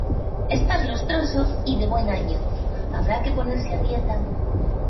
Estás lustroso y de buen año. Habrá que ponerse a dieta